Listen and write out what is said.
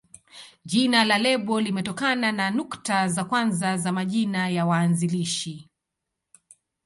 Jina la lebo limetokana na nukta za kwanza za majina ya waanzilishi.